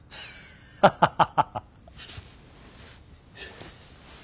ハハハハハ。